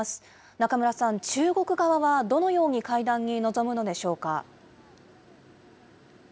中村さん、中国側はどのように会談に臨むのでしょうか。